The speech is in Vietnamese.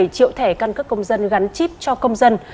sáu mươi bảy triệu thẻ căn cức công dân gắn chip cho công dân